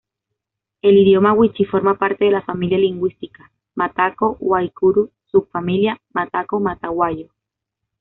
El idioma wichí forma parte de la familia lingüística mataco-guaicurú, subfamilia "mataco-mataguayo".